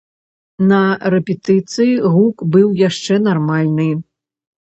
На рэпетыцыі гук быў яшчэ нармальны.